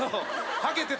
はげてた。